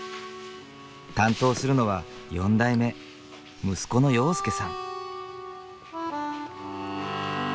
担当するのは４代目息子の庸介さん。